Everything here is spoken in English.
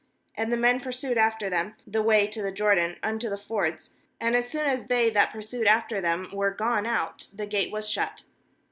7And the men pur sued after them the way to the Jordan unto the fords ; and as soon as they that pursued after them were gone out, the gate was shut.